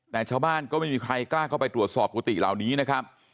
แต่ชาวบ้านก็ไม่มีใครกล้าเข้าไปตรวจสอบกุฏิเหล่านี้นะครับ